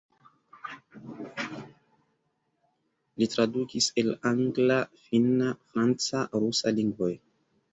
Li tradukis el angla, finna, franca, rusa lingvoj.